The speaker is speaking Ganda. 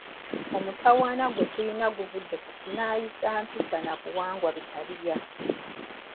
Omutawaana gwe tulina guvudde ku kunaayiza mpisa na buwangwa ebitali byaffe.